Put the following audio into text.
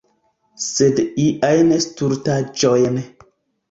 Sed iajn stultaĵojn.